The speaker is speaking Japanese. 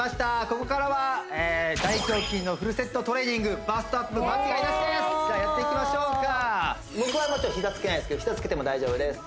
ここからは大胸筋のフルセットトレーニングバストアップ間違いなしですじゃあやっていきましょうか僕は膝つけないですけど膝つけても大丈夫です